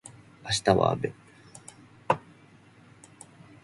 明日は雨